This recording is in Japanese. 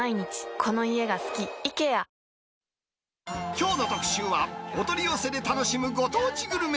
きょうの特集は、お取り寄せで楽しむご当地グルメ。